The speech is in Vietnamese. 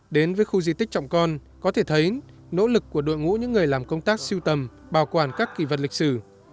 đến với khu di tích chồng con có thể thấy nỗ lực của đội ngũ những người làm công tác siêu tầm bảo quản các kỳ vật lịch sử